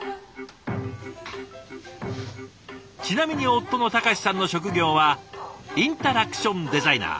ちなみに夫の隆志さんの職業はインタラクションデザイナー。